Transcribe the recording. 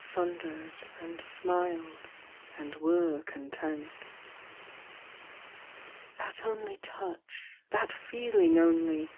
Sundered and smiled and were content. That only touch, that feeling only.